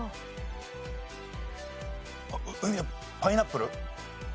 海のパイナップル。